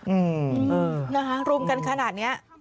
อืมนะคะรุมกันขนาดนี้